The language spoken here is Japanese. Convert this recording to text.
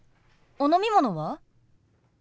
お飲み物は？